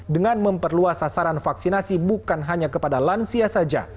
dengan memperluas sasaran vaksinasi bukan hanya kepada lansia saja